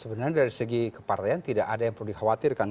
sebenarnya dari segi kepartaian tidak ada yang perlu dikhawatirkan